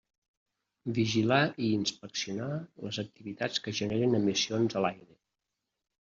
Vigilar i inspeccionar les activitats que generen emissions a l'aire.